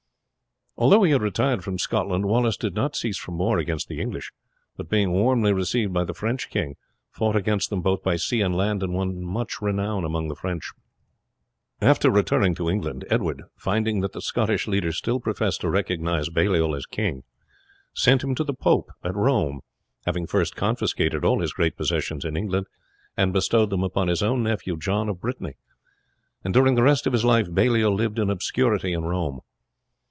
Although he had retired from Scotland, Wallace did not cease from war against the English; but being warmly received by the French king fought against them both by sea and land, and won much renown among the French. After returning to England, Edward, finding that the Scottish leaders still professed to recognize Baliol as king, sent him to the pope at Rome, having first confiscated all his great possessions in England and bestowed them upon his own nephew, John of Brittany; and during the rest of his life Baliol lived in obscurity in Rome.